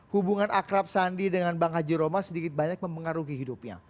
hubungan akrab sandi dengan bang haji roma sedikit banyak mempengaruhi hidupnya